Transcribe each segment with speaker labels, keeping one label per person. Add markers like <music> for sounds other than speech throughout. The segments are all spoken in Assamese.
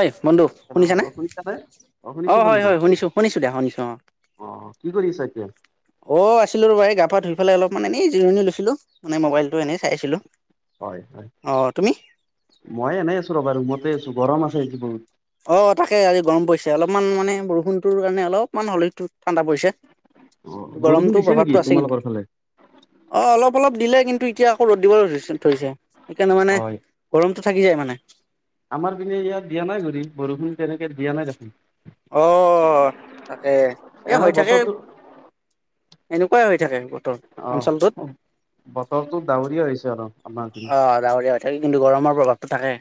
Speaker 1: ঐ বন্ধু
Speaker 2: হেল্ল'
Speaker 1: শুনিছানে
Speaker 2: অ শুনিছো
Speaker 1: অ' হয়
Speaker 2: বন্ধু
Speaker 1: হয় শুনিছোঁ শুনিছোঁ দিয়া শুনিছোঁ অ'।
Speaker 2: অ' কি কৰি আছা এতিয়া?
Speaker 1: অ' আছিলো ৰ'বা এই গা পা ধুই পেলাই অলপ মানে এনেই জিৰণি লৈছিলো মানে মোবাইলটো এনে চাইছিলোঁ।
Speaker 2: হয় হয়। মই এনেই আছোঁ ৰ'বা ৰুমতে আছোঁ গৰম আছে আজি বহুত।
Speaker 1: অ' তাকে আজি গৰম পৰিছে অলপমান মানে বৰষুণটোৰ কাৰণে অলপমান হলে ঠাণ্ডা পৰিছে।
Speaker 2: অ বৰষুণ
Speaker 1: গৰমটো
Speaker 2: দিছে নেকি
Speaker 1: প্ৰভাৱটো আছে কিন্তু।
Speaker 2: তোমালোকৰ ফালে
Speaker 1: অ' অলপ অলপ দিলে কিন্তু এতিয়া আকৌ ৰ'দ দিবলৈ ধৰিছে সেইকাৰণে মানে
Speaker 2: হয়
Speaker 1: গৰমটো থাকি যায় মানে।
Speaker 2: আমাৰ পিনে ইয়াত দায়া নাই যদি বৰষুণ তেনেকৈ দিয়া নাই দেখুন?
Speaker 1: অ' তাকে এ
Speaker 2: এনে
Speaker 1: হৈ থাকে।
Speaker 2: বতৰটো
Speaker 1: এনেকুৱাই হৈ থাকে বতৰ।
Speaker 2: অ'
Speaker 1: অঞ্চলটোত
Speaker 2: হ বতৰটো ডাৱৰীয়া হৈছে অলপ।
Speaker 1: অ' ডাৱৰীয়া হৈ থাকে কিন্তু গৰমৰ প্ৰভাৱটো থাকে।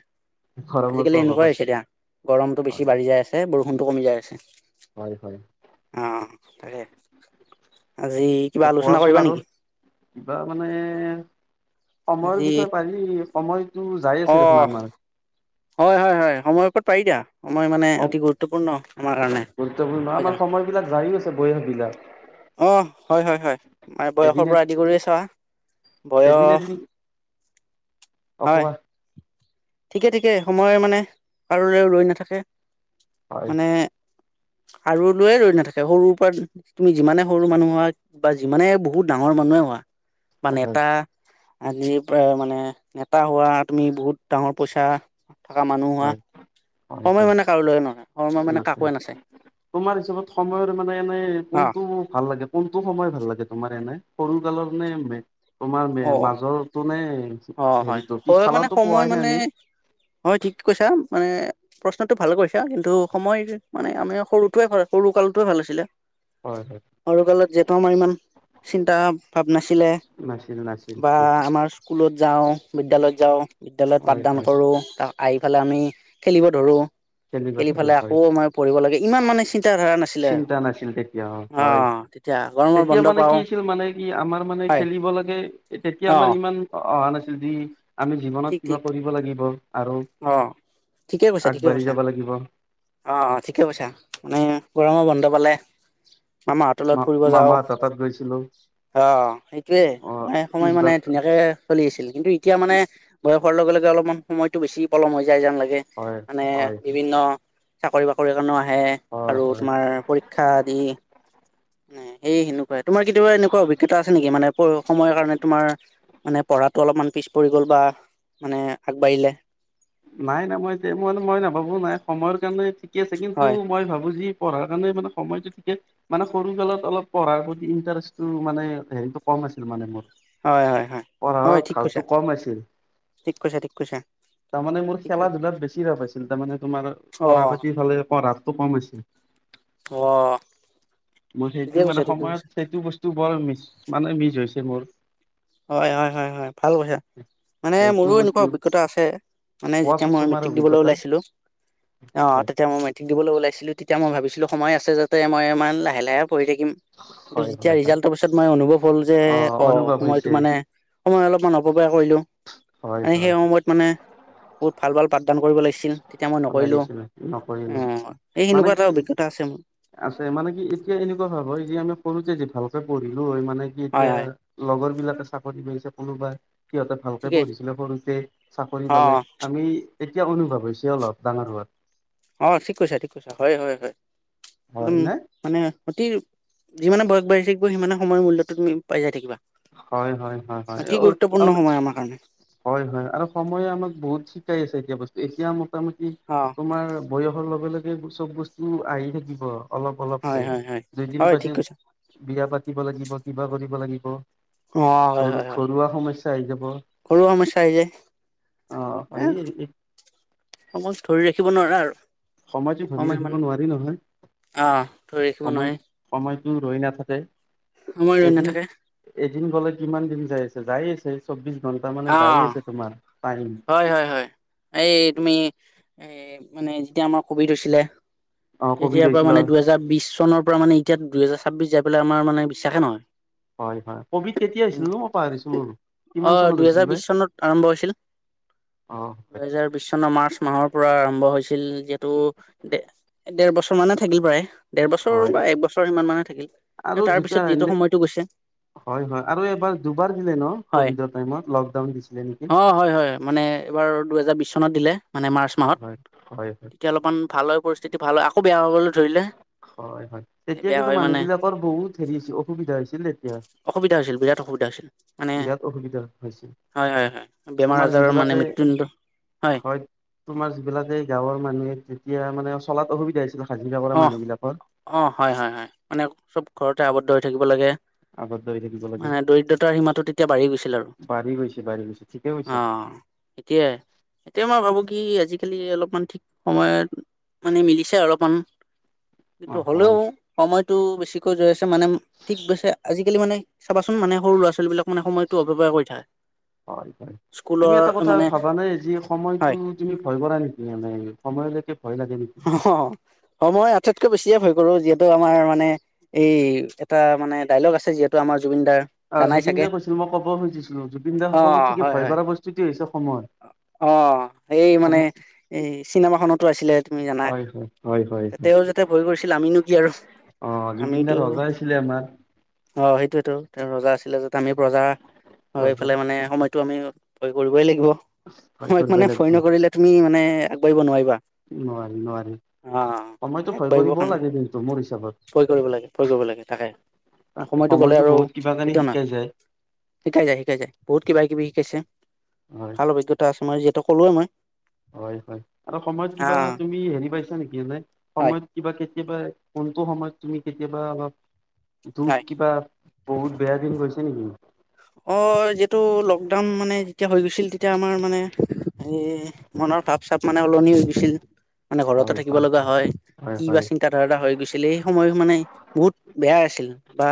Speaker 2: গৰমৰ
Speaker 1: আজিকালি
Speaker 2: প্ৰভাৱ
Speaker 1: এনেকুৱাই
Speaker 2: আছে
Speaker 1: হৈছে দিয়া। গৰমটো
Speaker 2: হয়
Speaker 1: বেছি বাঢ়ি যায় আছে বৰষুণটো কমি যায় আছে।
Speaker 2: হয় হয়।
Speaker 1: অ' তাকে আজি
Speaker 2: তে
Speaker 1: কিবা আলোচনা
Speaker 2: কোৱাচোন
Speaker 1: কৰিবা
Speaker 2: আৰু
Speaker 1: নেকি?
Speaker 2: কিবা মানে
Speaker 1: আজি
Speaker 2: সময়ৰ বিষয়ে পাৰি। সময়টো যায় আছে
Speaker 1: অ'
Speaker 2: দেখোন আমাৰ।
Speaker 1: হয় হয় হয় সময়ৰ ওপৰত পাৰি দিয়া। সময় মানে
Speaker 2: অ
Speaker 1: অতি গুৰুত্বপূৰ্ণ আমাৰ কাৰণে।
Speaker 2: গুৰুত্বপূৰ্ণ,
Speaker 1: হয়
Speaker 2: আমাৰ
Speaker 1: জানো?
Speaker 2: সময়বিলাক যায়ে আছে বয়সবিলাক।
Speaker 1: অ' হয় হয় হয় মানে বয়সৰ
Speaker 2: এদিন
Speaker 1: পৰা আদি কৰিয়ে চোৱা, বয়স
Speaker 2: অ
Speaker 1: হয়
Speaker 2: কোৱা?
Speaker 1: ঠিকে ঠিকে সময় মানে কাৰোলৈ ৰৈ নাথাকে
Speaker 2: হয়
Speaker 1: মানে আৰু লৈয়ে ৰৈ নাথাকে সৰুৰ পৰা তুমি যিমানে সৰু মানুহ হোৱা বা যিমানে বহুত ডাঙৰ মানুহে হোৱা বা
Speaker 2: হয়
Speaker 1: নেতা, আজিৰ পৰা মানে নেতা হোৱা তুমি বহুত ডাঙৰ পইচা থকা মানুহ হোৱা,
Speaker 2: হয় হয় হয়
Speaker 1: সময় মানে কাৰোলৈ নহয়, সময় মানে
Speaker 2: এনেকে
Speaker 1: কাকোৱে নাচায়।
Speaker 2: তোমাৰ হিচাপত সময়ৰ মানে এনে
Speaker 1: অ
Speaker 2: কোনটো ভাল লাগে কোনটো সময় ভাল লাগে তোমাৰ এনে সৰু কালৰ নে বে তোমাৰ মে
Speaker 1: অ
Speaker 2: মাজৰতো নে
Speaker 1: অ অ হয়
Speaker 2: হেৰিতো
Speaker 1: হয় মানে
Speaker 2: পিছফালৰটো
Speaker 1: সময়
Speaker 2: পোৱাই নাই
Speaker 1: মানে
Speaker 2: আমি?
Speaker 1: হয় ঠিক কৈছা মানে প্ৰশ্নটো ভাল কৰিছা কিন্তু সময় মানে আমি সৰুটোৱে <unintelligible> সৰু কালটোৱে ভাল আছিলে।
Speaker 2: হয় হয়।
Speaker 1: সৰু কালত যিহেতু আমাৰ ইমান চিন্তা ভাৱ নাছিলে।
Speaker 2: নাছিল নাছ
Speaker 1: বা আমাৰ স্কুলত যাওঁ, বিদ্যালয়ত যাওঁ, বিদ্যালয়ত
Speaker 2: হয়
Speaker 1: পাঠদান
Speaker 2: হয়
Speaker 1: কৰো তাক আহি ফালে আমি খেলিব ধৰো,
Speaker 2: তেনেকুৱা
Speaker 1: খেলি
Speaker 2: ধৰণৰ
Speaker 1: ফালে
Speaker 2: হয়
Speaker 1: আকৌ আমাৰ পঢ়িব লাগে ইমান মানে চি তিয়া ধৰা নাছিলে আৰু
Speaker 2: চিন্তা নাছিল তেতিয়া
Speaker 1: অ
Speaker 2: হয়
Speaker 1: তেতিয়া গৰমৰ
Speaker 2: তেতিয়া
Speaker 1: বন্ধ
Speaker 2: মানে কি
Speaker 1: পাওঁ।
Speaker 2: আছিল মানে কি আমাৰ মানে
Speaker 1: হয়
Speaker 2: খেলিব লাগে এ তেতিয়া আমাৰ ইমান অহা নাছিল যি আমি
Speaker 1: ঠিক
Speaker 2: জীৱনত
Speaker 1: ঠিক
Speaker 2: কিবা কৰিব লাগিব আৰু
Speaker 1: অ', ঠিকে কৈছা ঠিকে
Speaker 2: আগবাঢ়ি
Speaker 1: কৈছা
Speaker 2: যাব লাগিব।
Speaker 1: অ ঠিকে কৈছা মানে গৰমৰ বন্ধ পালে মামাহঁতৰ লগত
Speaker 2: মা
Speaker 1: ফুৰিব যাওঁ।
Speaker 2: মামাহঁতৰ তাত গৈছিলো
Speaker 1: অ সেইটোয়ে
Speaker 2: অ
Speaker 1: মানে সময়
Speaker 2: পিছবা
Speaker 1: মানে ধুনীয়াকে চলি আছিল কিন্তু এতিয়া মানে বয়সৰ লগে লগে অলপমান সময়টো বেছি পলম হৈ যায় যেন লাগে।
Speaker 2: হয়
Speaker 1: মানে
Speaker 2: হয়
Speaker 1: বিভিন্ন চাকৰি বাকৰি কাৰণেও আহে
Speaker 2: হয়
Speaker 1: আৰু
Speaker 2: হয়
Speaker 1: তোমাৰ পৰি ক্ষা দি নে সেই সেনেকুৱাই, তোমাৰ কেতিয়াবা এনেকুৱা অভিজ্ঞতা থে নেকি মানে পঢ়োঁ সময়ৰ কাৰণে তোমাৰ মানে পঢ়াটো অলপমান পিছ পৰি গ'ল বা মানে আগবাঢ়িলে।
Speaker 2: নাই নাই, মই দে মই না মই নাভাবো নাই সময়ৰ কাৰণে ঠিকে আছে কিন্তু
Speaker 1: হয়,
Speaker 2: মই ভাবো যি পঢ়াৰ কাৰণে মানে সময়টো ঠিকে মানে সৰু কালত অলপ পঢ়াৰ প্ৰতি ইনটাৰেষ্টটো মানে হেৰিটো কম আছিল মানে মোৰ।
Speaker 1: হয় হয় হয়,
Speaker 2: পঢ়াৰ
Speaker 1: হয় ঠিক
Speaker 2: ধাউটো
Speaker 1: কৈছা,
Speaker 2: কম আছিল
Speaker 1: ঠিক কৈছা ঠিক কৈছা।
Speaker 2: তাৰমানে মোৰ
Speaker 1: ঠিকে
Speaker 2: খেলা ধূলাত বেছি ভাৱ আছিল তাৰমানে তোমাৰ পঢ়াৰ
Speaker 1: অ',
Speaker 2: প্ৰতি ফালে পঢ়াটো কম হৈছিল।
Speaker 1: অ',
Speaker 2: মই সেইটো
Speaker 1: ঠিকে কৈছা,
Speaker 2: মানে
Speaker 1: ঠিকে
Speaker 2: সময়ত
Speaker 1: কৈছা,
Speaker 2: সেইটো বস টো বৰ মিছ মানে মিছ হৈছে মোৰ।
Speaker 1: হয় হয় হয় হয় ভাল কৈছা মানে
Speaker 2: সেইটো
Speaker 1: মোৰো এনেকুৱা
Speaker 2: বস্তু
Speaker 1: অভিজ্ঞতা আছে। মানে যেতিয়া
Speaker 2: কোৱাচোন
Speaker 1: মই
Speaker 2: তোমাৰ
Speaker 1: মেট্ৰিক দিবলৈ
Speaker 2: অভিজ্ঞতা
Speaker 1: ওলাইছিলো অ
Speaker 2: হয়
Speaker 1: তেতিয়া মই মেট্ৰিক দিবলৈ ওলাইছিলো তেতিয়া মই ভাবিছিলো সময় আছে যাতে মই ইমান লাহে - লাহে পঢ়ি থাকিম। কিন্তু
Speaker 2: হয়
Speaker 1: যেতিয়া
Speaker 2: হয় হয়
Speaker 1: ৰিজাল্টৰ পিছত মই অনুভৱ হ'ল যে অ
Speaker 2: অনুভৱ
Speaker 1: টো
Speaker 2: হৈছে
Speaker 1: মানে সময় অলপমান অপবয় কৰিলো
Speaker 2: হয়
Speaker 1: মানে সেই
Speaker 2: হয়
Speaker 1: সম য়ত মানে বহুত ভাল ভাল পাঠদান কৰিব লাগিছিল। তেতিয়া মই নকৰিলোঁ,
Speaker 2: লাগিছিলে
Speaker 1: অ
Speaker 2: নকৰিলো
Speaker 1: এই
Speaker 2: মানে
Speaker 1: সেনেকুৱা এটা
Speaker 2: কি
Speaker 1: অভিজ্ঞতা আছে মোৰ।
Speaker 2: আছে মানে কি এতিয়া এনেকুৱা ভাৱ হয় যে আমি সৰুতে যি ভালকে পঢ়িলো হয় মানে কি
Speaker 1: হয়,
Speaker 2: এতিয়া
Speaker 1: হয়,
Speaker 2: লগৰবিলাকে চাকৰি মিলিছে কোনোবাই। সিহঁতে ভালকে
Speaker 1: ঠিকেই,
Speaker 2: পঢ়িছিলে সৰুতে চাকৰি
Speaker 1: অ'।
Speaker 2: পালে,
Speaker 1: অ
Speaker 2: আমি এতিয়া অনুভৱ হৈছে অলপ ডাঙৰ হোৱাত।
Speaker 1: অঁ ঠিক কৈছে ঠিক কৈছে, হয় হয় হয়
Speaker 2: হয়
Speaker 1: একদম
Speaker 2: নে
Speaker 1: মানে অতি যিমানে বয়স বাঢ়ি থাকিব সিমানে সময়ৰ মূল্যতো তুমি পাই যাই থাকিবা।
Speaker 2: হয় হয় হয় হয়
Speaker 1: অতি গুৰুত্বপূৰ্ণ
Speaker 2: তাৰমানে
Speaker 1: সময় আমাৰ কাৰণে।
Speaker 2: হয় হয় আৰু সময়ে আমাক বহুত শিকাই আছে এতিয়া বস্তু এতিয়া মোটামুটি
Speaker 1: অ
Speaker 2: তোমাৰ বয়সৰ লগে লগে এইবোৰ চব বস্তু আহি থাকিব অলপ
Speaker 1: হয়
Speaker 2: অলপকে
Speaker 1: হয় হয়
Speaker 2: দুদিন
Speaker 1: হয় ঠিক
Speaker 2: বাচি
Speaker 1: কৈছা
Speaker 2: বিয়া পাতিব লাগিব, কিবা কৰিব লাগিব,
Speaker 1: অ
Speaker 2: ঘৰু ঘৰুৱা সমস্যা আহি যাব।
Speaker 1: ঘৰুৱা সমস্যা আহি যায়।
Speaker 2: অ <unintelligible>
Speaker 1: সময়ক ধৰি ৰাখিব নোৱাৰা আৰু
Speaker 2: সময়টো ধৰি
Speaker 1: সময়
Speaker 2: ৰাখিব
Speaker 1: মানে।
Speaker 2: নোৱাৰি নহয়
Speaker 1: অ ধৰি ৰাখিব
Speaker 2: সময়
Speaker 1: নোৱাৰি।
Speaker 2: সময়টো ৰৈ নাথাকে,
Speaker 1: সময় ৰৈ
Speaker 2: এদিন
Speaker 1: নাথাকে
Speaker 2: এদিন গ'লে কিমান দিন যাই আছে যাই আছে চৌবিশ ঘণ্টা মানে
Speaker 1: অ
Speaker 2: যায় আছে তোমাৰ টাইম।
Speaker 1: হয় হয় হয়, এই তুমি এই মানে যেতিয়া আমাৰ কভিড হৈছিলে
Speaker 2: অ কভিড
Speaker 1: তেতিয়াৰ পৰা
Speaker 2: হৈছিল
Speaker 1: মানে দুহেজাৰ বিশ চনৰ পৰা মানে এতিয়া দুহেজাৰ ছাব্বিশ যাই পেলাই আমাৰ মানে বিশ্বাসে নহয়।
Speaker 2: হয় হয় কভিড কেতিয়া হৈছিল নো পাহৰিছো মোৰ,
Speaker 1: অ
Speaker 2: কিমান চনত
Speaker 1: দুহেজাৰ
Speaker 2: হৈছিল বে?
Speaker 1: বিশ চনত আৰম্ভ হৈছিল
Speaker 2: অ হয়
Speaker 1: দুহেজাৰ বিশ চনৰ মাৰ্চ মাহৰ পৰা আৰম্ভ হৈছিল যিহেতু ডে ডেৰ বছৰ মানে থাকিল প্ৰায়। ডেৰ বছৰ
Speaker 2: হয়
Speaker 1: বা এক বছৰ সিমান মানে থাকিল
Speaker 2: আৰু
Speaker 1: কিন্তু তাৰ
Speaker 2: দুটা
Speaker 1: পিছত যিটো সময়টো গৈছে।
Speaker 2: হয় হয় আৰু এবাৰ দুবাৰ দিলে ন কভিডৰ টাইমত লক ডাউন দিছিলে নেকি?
Speaker 1: অঁ হয় হয়। মানে এবাৰ দুহেজাৰ বিশ চনত দিলে মানে মাৰ্চ মাহত
Speaker 2: হয় হয় হয়
Speaker 1: তেতিয়া অলপমান ভাল হৈ পৰিছ যেতিয়া ভাল হয় আকৌ বেয়া হবলৈ ধৰিলে।
Speaker 2: হয় হয় তেতিয়া
Speaker 1: বেয়া
Speaker 2: কিন্তু
Speaker 1: হয় মানে
Speaker 2: মানুহবিলাকৰ বহুত হেৰি হৈছি অসুবিধা হৈছিল তেতিয়া।
Speaker 1: অসুবিধা হৈছিল বিৰাট অসুবিধা হৈছিল মানে
Speaker 2: বিৰাট অসুবিধা হৈছিল
Speaker 1: হয় হয় হয় বেমাৰ
Speaker 2: তোমাৰ
Speaker 1: আজাৰৰ মানে
Speaker 2: যিবিলাকে
Speaker 1: মৃত্যুদণ্ড
Speaker 2: হয় তোমাৰ যিবিলাকে গাঁৱৰ মানুহে তেতিয়া মানে চলাত অসুবিধা হৈছিল হাজিৰা কৰা
Speaker 1: অ
Speaker 2: মানুহবিলাকৰ।
Speaker 1: অ হয় হয় হয় মানে চব ঘৰতে আৱদ্ধ হৈ থাকিব লাগে।
Speaker 2: আগত দৌৰি থাকিব লাগে
Speaker 1: মানে দৰিদ্ৰতাৰ সীমাতো তেতিয়া বাঢ়ি গৈছিল আৰু
Speaker 2: বাঢ়ি গৈছে বাঢ়ি গৈছে ঠিকে কৈছা
Speaker 1: অ। <unintelligible> এতিয়া মই ভাবো কি আজিকালি অলপমান ঠিক সময়ত মানে মিলিছে অলপমান
Speaker 2: অ
Speaker 1: কিন্তু হ'লেও
Speaker 2: হয়
Speaker 1: সময়তো বেছিকৈ ৰৈ আছে মানে ঠিক কৈছে, আজিকালি মানে চাবাচোন মানে সৰু ল'ৰা - ছোৱালীবিলাক মানে সময়টো অপব্যয় কৰি থাকে।
Speaker 2: হয় হয়,
Speaker 1: স্কুলৰ
Speaker 2: তুমি এটা কথা
Speaker 1: মানে
Speaker 2: ভাবানে যি সময়তো
Speaker 1: হয়
Speaker 2: তুমি ভয় কৰা নেকি মানে সময়লৈকে ভয় লাগে নে
Speaker 1: হ, সময় আটাইতকৈ বেছিয়ে ভয় কৰো যিহেতু আমাৰ মানে এই এটা মানে ডাইলগ আছে যিহেতু আমাৰ জুবিন দাৰ
Speaker 2: অ
Speaker 1: জানাই
Speaker 2: জুবিন
Speaker 1: চাগে
Speaker 2: দাই কৈছিল মই ক'ব খুজিছিলো জুবিন দাই সকলোত
Speaker 1: অ',
Speaker 2: থাকি
Speaker 1: হয়
Speaker 2: ভয়
Speaker 1: হয়
Speaker 2: কৰা বস্তুটোৱেই হৈছে সময়
Speaker 1: অ এই মানে
Speaker 2: সময়
Speaker 1: এই চিনেমাখনতো আছিলে তুমি জানা
Speaker 2: হয় হয় হয় হয়
Speaker 1: তেৱেঁই যেতিয়া ভয় কৰিছিল আমিনো কি আৰু
Speaker 2: অ জুবিনদা
Speaker 1: আমিতো
Speaker 2: ৰজা আছিলে আমাৰ
Speaker 1: অ সেইটোৱেতো তেওঁ ৰজা আছিলে য'ত আমি প্ৰজা এইফালে
Speaker 2: ভয়
Speaker 1: মানে সময়টো আমি ভয় কৰিবই লাগিব সময়ক
Speaker 2: কৰিব
Speaker 1: মানে
Speaker 2: লাগিব
Speaker 1: ভয় নকৰিলে তুমি মানে আগবাঢ়িব নোৱাৰিবা
Speaker 2: নোৱাৰি নোৱাৰি
Speaker 1: অ
Speaker 2: সময়তো ভয়
Speaker 1: আগবাঢ়িবৰ
Speaker 2: কৰিবও
Speaker 1: কাৰণে
Speaker 2: লাগে কিন্তু মোৰ হিচাপত
Speaker 1: ভয় কৰিব লাগে ভয় কৰিব লাগে তাকে
Speaker 2: তাকে
Speaker 1: সময়টো গ'লে
Speaker 2: সময়তো
Speaker 1: আৰু
Speaker 2: বহুত কিবা কানি
Speaker 1: কেতিয়াও
Speaker 2: শিকাই
Speaker 1: নাহে
Speaker 2: যায়
Speaker 1: শিকাই যায় শিকাই যায় বহুত কিবা কিবি শিকাইছে
Speaker 2: হয়
Speaker 1: <unintelligible> যিহেতু কলোৱে মই
Speaker 2: হয় হয় আৰু সময়ত
Speaker 1: হা
Speaker 2: কিবা তুমি হেৰি পাইছা নেকি এনে
Speaker 1: হয়
Speaker 2: সময়ত কিবা কেতিয়াবা কোনটো সময়ত তুমি কেতিয়াবা অলপ দুখ
Speaker 1: হয়
Speaker 2: কিবা বহুত বেয়া দিন গৈছে কিন্তু
Speaker 1: অ যিহেতু লকডাউন মানে যেতিয়া হৈ গৈছিল তেতিয়া আমাৰ মানে এই মনৰ পাপ চাপ মানে <unintelligible> মানে ঘৰতে থাকিব লগা হয়। কি বা চিন - তা ধাৰা এটা হৈ গৈছিল এই সময় মানে বহুত বেয়া আছিল বা,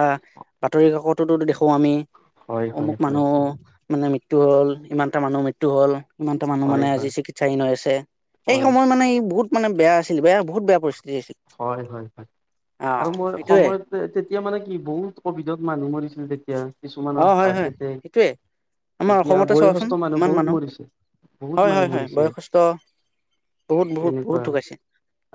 Speaker 1: বাতৰি কাকততো দেখোঁ আমি।
Speaker 2: হয়
Speaker 1: অমুক
Speaker 2: হয় হয়
Speaker 1: মানুহ
Speaker 2: হয়
Speaker 1: মানে মৃত্যু হ'ল ইমানটা মানুহ মৃত্যু হ'ল। ইমানটা মানুহ মানে
Speaker 2: হয়
Speaker 1: আজি চিকিৎসাধীন হৈ আছে সেই
Speaker 2: হয়
Speaker 1: সময়ত মানে বহুত- মানে, বেয়া আছিল বেয়া বহুত বেয়া পৰিস্থিতি আছিল।
Speaker 2: হয় হয় হয়
Speaker 1: অ
Speaker 2: আৰু মই
Speaker 1: সেইটোয়ে
Speaker 2: সময়ত, তেতিয়া মানে কি বহুত কভিডত মানুহ মৰিছিল। তেতিয়া
Speaker 1: অ
Speaker 2: কিছুমানৰ
Speaker 1: হয়
Speaker 2: হাত
Speaker 1: হয়
Speaker 2: এতেক
Speaker 1: সেইটোয়ে আমাৰ
Speaker 2: এতিয়া
Speaker 1: অসমতে চোৱাচোন
Speaker 2: বয়সস্থ মানুহ
Speaker 1: ইমান
Speaker 2: বহুত মৰিছে বহুত
Speaker 1: হয়
Speaker 2: মানুহ
Speaker 1: হয় হয়
Speaker 2: মৰিছে।
Speaker 1: বয়সস্থ বহুত বহুত বহুত বহুত
Speaker 2: তেনেকুৱা
Speaker 1: ঢুকাইছে।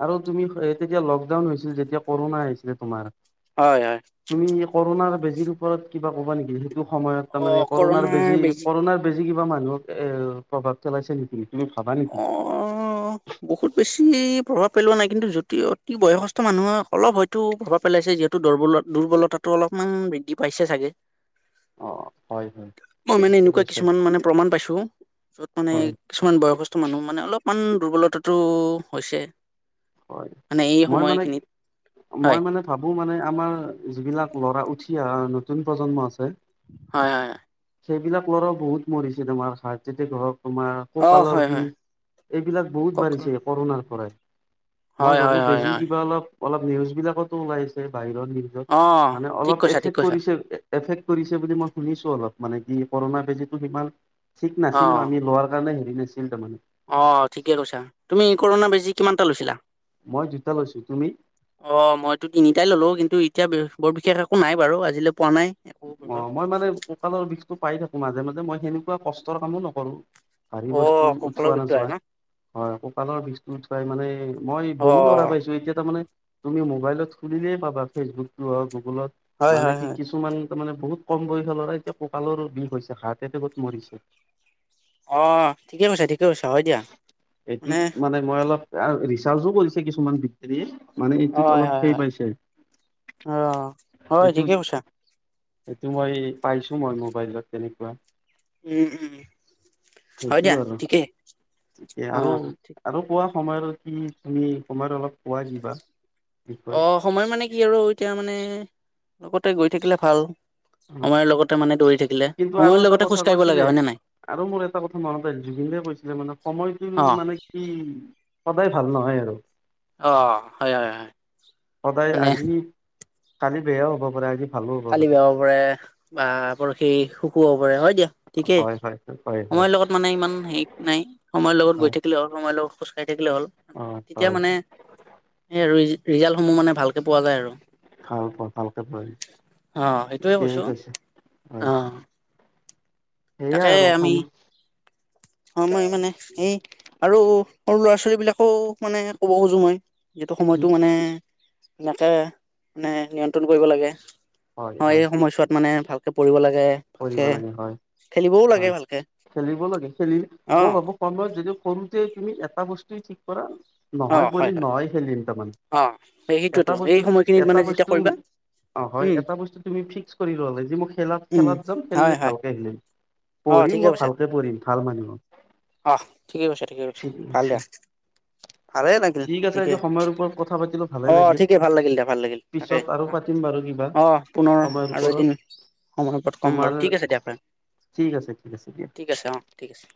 Speaker 2: আৰু তুমি তেতিয়া লকডাউন হৈছিল যেতিয়া কৰোণা আহিছিলে তোমাৰ,
Speaker 1: হয় হয়।
Speaker 2: তুমি কৰোণাৰ বেজিৰ ওপৰত কিবা ক'বা নেকি সেইটো সময়ত
Speaker 1: অ
Speaker 2: তাৰমানে‌ কৰণাৰ
Speaker 1: কৰোণাৰ
Speaker 2: বেজি কৰোণাৰ, বেজি কিবা মানুহক এ প্ৰভাৱ পেলাইছে নেকি তুমি ভাবা নেকি?
Speaker 1: অ', বহুত বেছি প্ৰভাৱ পেলোৱা নাই কিন্তু যদি অতি বয়সস্থ মানুহে অলপ হয়তো, তু প্ৰভাব পেলাইছে যিহেতু দুৰ্বলত দুৰ্বলতাটো অলপমান বৃদ্ধি পাইছে চাগৈ।
Speaker 2: অ হয় হয়
Speaker 1: মই মানে
Speaker 2: ঠিকে
Speaker 1: এনেকুৱা
Speaker 2: কৈছা
Speaker 1: কিছুমান মানে প্ৰমাণ পাইছোঁ যত
Speaker 2: হয়
Speaker 1: মানে- কিছুমান বয়সস্থ মানুহ মানে অলপমান দুৰ্বলতাটো হৈছে।
Speaker 2: হয়
Speaker 1: মানে এই সময়খিনিত হয়।
Speaker 2: ভাবোঁ, মানে আমাৰ যিবিলাক উঠি অহা নতুন প্ৰজন্ম আছে।
Speaker 1: হয় হয়।
Speaker 2: সেইবিলাক ল'ৰাও বহুত মৰিছে তোমাৰ হাৰ্ট এটেক হ'ওক তোমাৰ,
Speaker 1: অ',
Speaker 2: কঁকালৰ
Speaker 1: হয়, হয়,
Speaker 2: বিষ এইবিলাক বহুত
Speaker 1: কওক হয়,
Speaker 2: বাঢ়িছে কৰোণাৰ পৰাই। মই ভাবোঁ
Speaker 1: হয়, হয়,
Speaker 2: বেজি
Speaker 1: হয়,
Speaker 2: কিবা অলপ অলপ নিউজ বিলাকতো ওলাইছে বাহিৰত।
Speaker 1: অ',
Speaker 2: মানে
Speaker 1: ঠিক
Speaker 2: অলপ
Speaker 1: কৈছা, ঠিক
Speaker 2: এফেক্ট
Speaker 1: কৈছা,
Speaker 2: পৰিছে এফেক্ট কৰিছে বুলি মই শুনিছোঁ। অলপ মানে কি কৰোণা বেজীটো সিমান ঠিক নাছিল
Speaker 1: অ',
Speaker 2: আমি লোৱাৰ কাৰণে হেৰি নাছিল তাৰমানে
Speaker 1: অ' ঠিকে কৈছা তুমি কৰোণা বেজি কিমান টা লৈছিলা।
Speaker 2: মই দুটা লৈছোঁ তুমি।
Speaker 1: অ, মইতো তিনিটাই ল'লো, কিন্তু এতিয়া বৰ বিশেষ একো নাই বাৰু আজিলৈ পোৱা নাই। একো প্ৰভাৱ।
Speaker 2: অঁ, মই মানে কুকালৰ বিষটো পাই থাকোঁ। মাজে মাজে মই সেনেকুৱা কষ্টৰ কামো নকৰোঁ। ভাৰি বস্তু
Speaker 1: অ', কঁকালৰ
Speaker 2: উঠোৱা
Speaker 1: বিষটো আহে ন
Speaker 2: নাযাই। হয়। কঁকালৰ বিষটো মানে মই বহু ল'ৰা
Speaker 1: অ'।
Speaker 2: পাইছোঁ, এতিয়া তাৰ মানে তুমি মোবাইলত খুলিলেই পাবা ফেচবুকটো হওক, গুগলত
Speaker 1: হয়,
Speaker 2: মানে
Speaker 1: হয়,
Speaker 2: কি
Speaker 1: হয়।
Speaker 2: কিছুমান ত' মানে বহুত কম বয়সৰ ল'ৰা এতিয়া কঁকালৰ বিষ হৈছে। হাৰ্ট এতেকট বহুত মৰিছে।
Speaker 1: অ', ঠিকে কৈছে দিয়া।
Speaker 2: এইটো
Speaker 1: মানে
Speaker 2: মই অলপ, ৰিচাৰ্চো কৰিছে কিছুমানে। হেৰি মানে এইটোত
Speaker 1: হয়,
Speaker 2: অলপ
Speaker 1: হয়,
Speaker 2: ফেই
Speaker 1: হয়।
Speaker 2: পাইছে।
Speaker 1: হয়, ঠিকেই কৈছা।
Speaker 2: সেইটো মই পাইছোঁ, মই মোবাইলত তেনেকুৱা।
Speaker 1: উম, উম, হয়
Speaker 2: সেইটো
Speaker 1: দিয়া,
Speaker 2: আৰু
Speaker 1: ঠিকেই। অ'।
Speaker 2: আৰু-
Speaker 1: ঠিক
Speaker 2: আৰু কোৱা সময়ৰ কি তুমি সময়ৰ অলপ পোৱা কিবা বিষয়?
Speaker 1: অ', সময় মানে কি আৰু এতিয়া মানে, লগতে গৈ থাকিলে ভাল। সময়ৰ লগতে মানে দৌৰি থাকিলে,
Speaker 2: কিন্তু আৰু
Speaker 1: সময়ৰ
Speaker 2: এটা
Speaker 1: লগতে
Speaker 2: কথা
Speaker 1: খোজ কাঢ়িব
Speaker 2: কৈছিলে
Speaker 1: লাগে হয়নে নাই।
Speaker 2: আৰু মোৰ এটা কথা মনতে জুবিনে কৈছিলে মানে সময়টো
Speaker 1: অ',
Speaker 2: মানে উম, সদায় ভাল নহয় আৰু।
Speaker 1: অঁ, হয়- হয়- হয়।
Speaker 2: সদায়
Speaker 1: মানে
Speaker 2: আজি, কালি বেয়াও হ'ব পাৰে। আজি ভালো হ'ব
Speaker 1: কালি বেয়া হব পাৰে, বা আপোনাৰ সেই সুখওঁ পাৰে, হয় দিয়া। ঠিকেই,
Speaker 2: হয় হয় হয় হয়
Speaker 1: সময়ৰ লগত মানে ইমান হেৰি নাই সময়ৰ লগত গৈ
Speaker 2: হয়
Speaker 1: থাকিলে আৰু। সময় লগ খোজকাঢ়ি থাকিলে হ'ল।
Speaker 2: অ
Speaker 1: তেতিয়া
Speaker 2: হয়
Speaker 1: মানে এই ৰি- ৰিজ্টসমূহ মানে ভালকৈ পোৱা যায় আৰু।
Speaker 2: অ, ভালকে পঢ়িম,
Speaker 1: অ সেইটোয়ে কৈছো
Speaker 2: ঠিক আছে, হয়।
Speaker 1: অ
Speaker 2: সেইয়া আৰু।
Speaker 1: অ, মই মানে, এই আৰু সৰু ল'ৰা- ছোৱালী বিলাকো মানে ক'ব খোজোঁ মই। যিহেতু
Speaker 2: কি
Speaker 1: সময়টো মানে ধুনীয়াকে মানে নিয়ন্ত্ৰণ কৰিব লাগে। হয়, এই সময়ছোৱাত মানে ভালকে পঢ়িব লাগে
Speaker 2: কৰিব
Speaker 1: ভালকে,
Speaker 2: লাগে হয়
Speaker 1: খেলিবওঁ লাগে
Speaker 2: হয়
Speaker 1: ভালকে।
Speaker 2: খেলিব লাগে, খেলি
Speaker 1: অ
Speaker 2: মই ভাবো সময়ত যদি কৰোতে তুমি এটা বস্তুৱে ঠিক কৰা
Speaker 1: অ
Speaker 2: নহয়
Speaker 1: হয়
Speaker 2: পঢ়িম,
Speaker 1: হয়
Speaker 2: নহয় খেলিম, তাৰমানে
Speaker 1: অ
Speaker 2: এটা
Speaker 1: সেইটোৱেতো এই
Speaker 2: বস্তু,
Speaker 1: সময়খিনিত
Speaker 2: এটা
Speaker 1: মানে যেতিয়া
Speaker 2: বস্তু
Speaker 1: কৰিবা
Speaker 2: অঁ, হয়।
Speaker 1: উম
Speaker 2: এটা বস্তু তুমি ফিক্স কৰি ললে যে মই খেলাত-
Speaker 1: উম
Speaker 2: খেলাত যাম,
Speaker 1: হয়
Speaker 2: খেলিলে
Speaker 1: হয়
Speaker 2: ভালকে খেলিম।
Speaker 1: অ
Speaker 2: পঢ়িম
Speaker 1: ঠিকে
Speaker 2: মই,
Speaker 1: কৈছা
Speaker 2: ভালকে পঢ়িম। মানুহ মানু্হ হম।
Speaker 1: অ ঠিকে কৈছা ঠিকে কৈছা ভাল দিয়া ভালে লাগিল
Speaker 2: ঠিক আছে আজি
Speaker 1: ঠিকেই
Speaker 2: সময়ৰ ওপৰত কথা পাতিলোঁ, ভালে
Speaker 1: অ
Speaker 2: লাগিল।
Speaker 1: ঠিকেই ভাল লাগিল দিয়া ভাল লাগিল তাকে
Speaker 2: পিছত আৰু পাতিম বাৰু কিবা,
Speaker 1: অ পুনৰ
Speaker 2: সময়ৰ
Speaker 1: আৰু
Speaker 2: ওপৰত।
Speaker 1: এদিন সময় পত ক'ম বাৰু
Speaker 2: তোমাৰ,
Speaker 1: ঠিক আছে দিয়া ফ্ৰেণ্ড
Speaker 2: ঠিক আছে, ঠিক আছে দিয়া।
Speaker 1: ঠিক আছে। অঁ, ঠিক আছে।